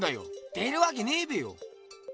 出るわけねえべよ！